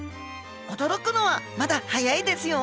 驚くのはまだ早いですよ。